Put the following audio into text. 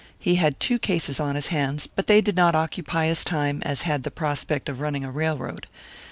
He had two cases on his hands, but they did not occupy his time as had the prospect of running a railroad.